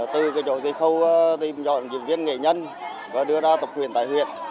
từ cái chỗ dây khâu tìm dọn diễn viên nghệ nhân và đưa ra tập huyền tài huyệt